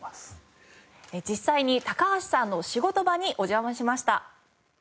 実際に高橋さんの仕事場にお邪魔しました。